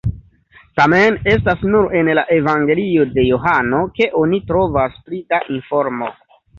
Tamen, estas nur en la Evangelio de Johano ke oni trovas pli da informo.